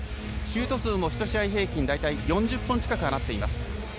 シュート数も１試合平均大体、４０本近く放っています。